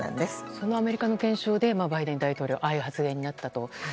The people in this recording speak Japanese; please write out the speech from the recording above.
そのアメリカの検証でバイデン大統領のああいう発言になったと。